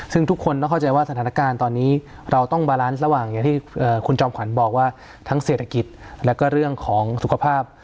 ซึ่งทุกคนต้องเข้าใจว่าสถานการณ์ตอนนี้เราต้องบาลานซ์ระหว่างอย่างที่คุณจอมขวัญบอกว่าทั้งเศรษฐกิจแล้วก็เรื่องของสุขภาพ